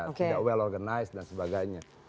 tidak well organized dan sebagainya